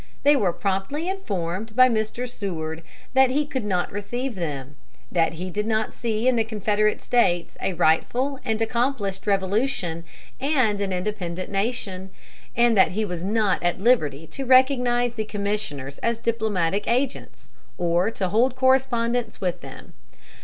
They were promptly informed by Mr. Seward that he could not receive them; that he did not see in the Confederate States a rightful and accomplished revolution and an independent nation; and that he was not at liberty to recognize the commissioners as diplomatic agents, or to hold correspondence with them.